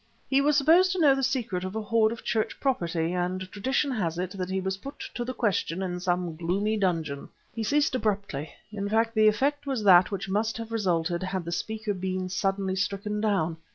"He was supposed to know the secret of a hoard of church property, and tradition has it, that he was put to the question in some gloomy dungeon ..." He ceased abruptly; in fact the effect was that which must have resulted had the speaker been suddenly stricken down.